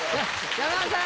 山田さん！